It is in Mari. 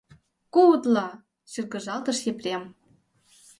— Кудло! — чаргыжалтыш Епрем.